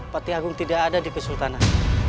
pati agung tidak ada di kesultanan